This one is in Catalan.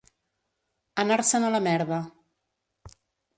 Anar-se'n a la merda.